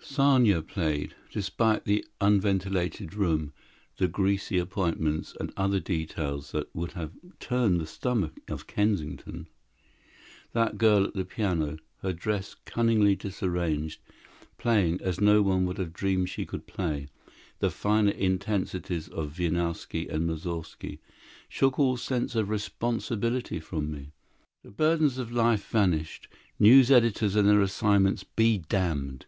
Sanya played.... Despite the unventilated room, the greasy appointments, and other details that would have turned the stomach of Kensington, that girl at the piano, her dress cunningly disarranged, playing, as no one would have dreamed she could play, the finer intensities of Wieniawski and Moussorgsky, shook all sense of responsibility from me. The burdens of life vanished. News editors and their assignments be damned.